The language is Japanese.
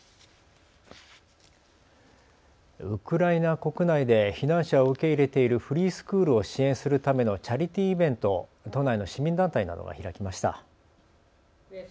ウクライナ国内で避難者を受け入れているフリースクールを支援するためのチャリティーイベントを都内の市民団体などが開きました。